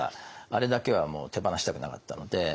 あれだけはもう手放したくなかったので。